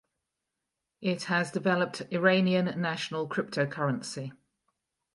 It has developed Iranian National Cryptocurrency.